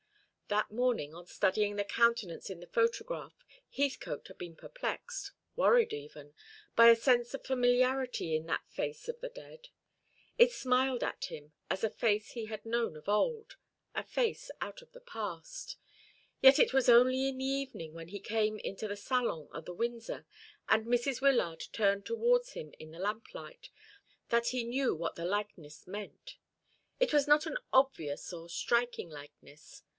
That morning, on studying the countenance in the photograph, Heathcote had been perplexed worried, even by a sense of familiarity in that face of the dead. It smiled at him as a face he had known of old a face out of the past. Yet it was only in the evening, when he came into the salon at the Windsor, and Mrs. Wyllard turned towards him in the lamplight, that he knew what the likeness meant. It was not an obvious or striking likeness.